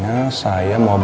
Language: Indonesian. namun wines kerjadoi